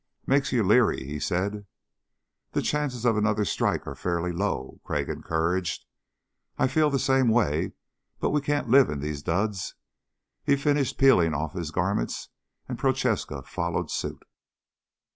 "Makes you leery," he said. "The chances of another strike are fairly low," Crag encouraged. "I feel the same way but we can't live in these duds." He finished peeling off his garments and Prochaska followed suit.